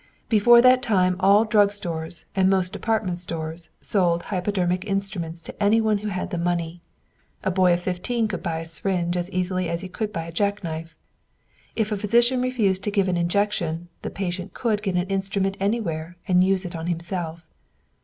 Before that time all drug stores and most department stores sold hypodermic instruments to any one who had the money. A boy of fifteen could buy a syringe as easily as he could buy a jack knife. If a physician refused to give an injection, the patient could get an instrument anywhere and use it on himself.